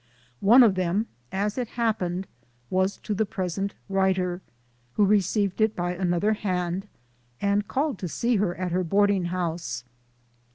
One of them, as it hap pened, was to the present writer, who received it by another hand, and called to see her at her board ing house.